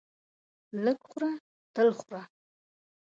لږ خوره تل خوره.